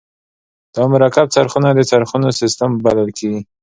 دا مرکب څرخونه د څرخونو سیستم بلل کیږي.